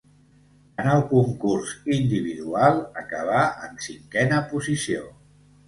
En el concurs individual acabà en cinquena posició.